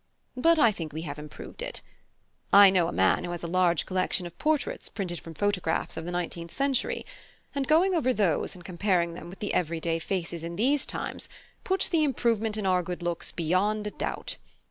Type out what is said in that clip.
But I think we have improved it. I know a man who has a large collection of portraits printed from photographs of the nineteenth century, and going over those and comparing them with the everyday faces in these times, puts the improvement in our good looks beyond a doubt.